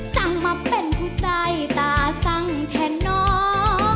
สั่งมาเป็นผู้ใส่ตาสั่งแทนน้อง